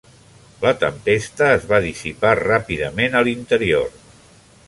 La tempesta es va dissipar ràpidament a l'interior.